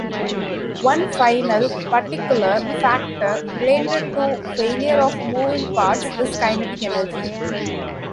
One final, particular, factor related to failure of moving parts is kinetic energy.